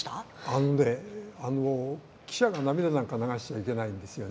あのね記者が涙なんか流しちゃいけないんですよね。